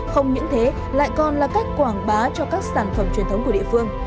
không những thế lại còn là cách quảng bá cho các sản phẩm truyền thống của địa phương